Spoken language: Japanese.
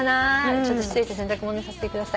ちょっと失礼して「洗濯物」にさせてください。